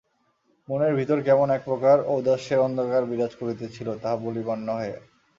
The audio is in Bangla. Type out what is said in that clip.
মনের ভিতর কেমন এক প্রকার ঔদাস্যের অন্ধকার বিরাজ করিতেছিল, তাহা বলিবার নহে।